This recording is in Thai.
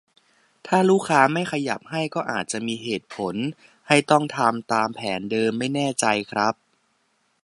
ถ้าลูกค้าไม่ขยับให้ ก็อาจจะมีเหตุผลให้ต้องทำตามแผนเดิม ? ไม่แน่ใจครับ